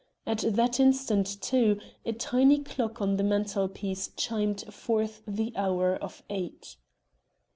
At that instant, too, a tiny clock on the mantelpiece chimed forth the hour of eight.